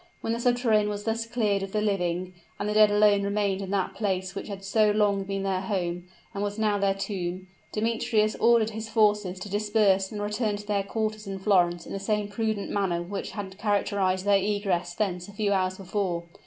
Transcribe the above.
When the subterrane was thus cleared of the living, and the dead alone remained in that place which had so long been their home, and was now their tomb, Demetrius ordered his forces to disperse and return to their quarters in Florence in the same prudent manner which had characterized their egress thence a few hours before.